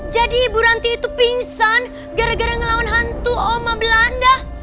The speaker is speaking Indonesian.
jadi bu ranti itu pingsan gara gara ngelawan hantu oma belanda